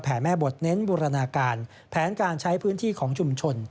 แม่บทเน้นบูรณาการแผนการใช้พื้นที่ของชุมชน